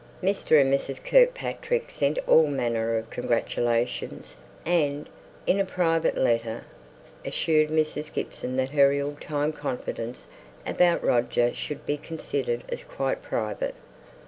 Mr. and Mrs. Kirkpatrick sent all manner of congratulations; and Mrs. Gibson, in a private letter, assured Mrs. Kirkpatrick that her ill timed confidence about Roger should be considered as quite private.